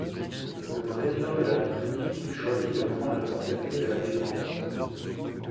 Le président de la République choisit de prendre le portefeuille de la Défense.